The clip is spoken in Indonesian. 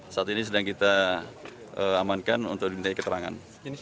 saat ini sedang kita amankan untuk dimintai keterangan